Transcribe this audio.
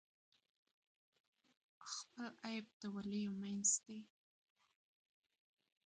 خپل عیب د ولیو منځ دی.